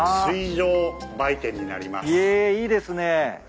えいいですね。